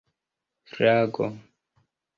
flago